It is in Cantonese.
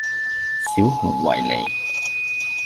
小熊維尼